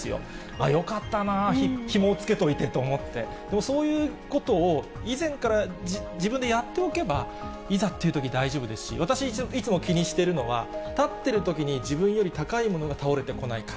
ああ、よかったな、ひもを付けておいてと思って、でもそういうことを、以前から自分でやっておけば、いざというとき、大丈夫ですし、私、いつも気にしてるのは、立ってるときに自分より高いものが倒れてこないか。